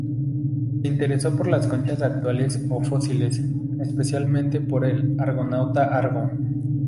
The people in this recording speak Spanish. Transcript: Se interesó por las conchas actuales o fósiles, especialmente por el argonauta argo.